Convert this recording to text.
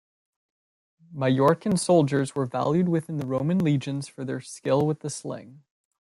Majorcan soldiers were valued within the Roman legions for their skill with the sling.